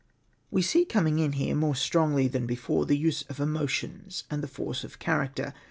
We see coming in here, more strongly than before, the use of emotions and the force of character.